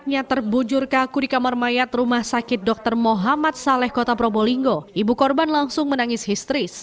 ibu korban menangis histeris